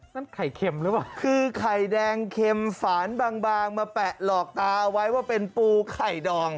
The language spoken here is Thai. ไข่เค็มหรือเปล่าคือไข่แดงเข็มฝานบางบางมาแปะหลอกตาเอาไว้ว่าเป็นปูไข่ดอง